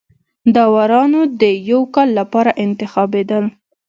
داورانو د یوه کال لپاره انتخابېدل.